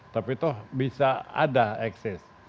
tapi toh bisa ada eksis